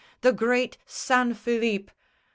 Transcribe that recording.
The great San Filippe!"